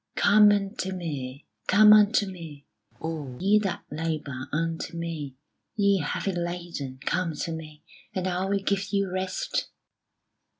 "Come unto Me, come unto Me All ye that labour, unto Me Ye heavy laden, come to Me And I will give you rest."